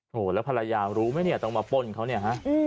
โหแล้วภรรยารู้ไหมเนี่ยต้องมาป้นเขาเนี่ยฮะ